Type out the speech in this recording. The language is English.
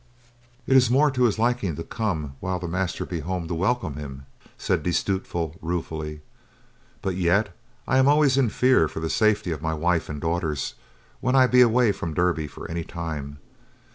"It be more to his liking to come while the master be home to welcome him," said De Stutevill, ruthfully. "But yet I am always in fear for the safety of my wife and daughters when I be away from Derby for any time.